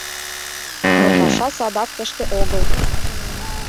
Но паша садак тыште огыл.